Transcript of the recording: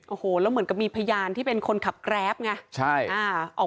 โอ้โหแล้วเหมือนกับมีพยานที่เป็นคนขับแกรปไงใช่อ่า